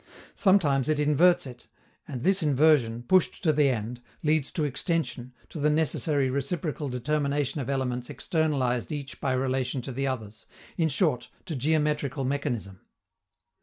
Sometimes it inverts it, and this inversion, pushed to the end, leads to extension, to the necessary reciprocal determination of elements externalized each by relation to the others, in short, to geometrical mechanism.